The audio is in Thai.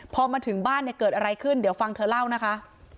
พอมาถึงบ้านเนี่ยเกิดอะไรขึ้นเดี๋ยวฟังเธอเล่านะคะ